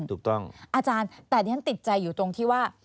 อาจารย์แต่ที่ฉันติดใจอยู่ตรงที่ว่า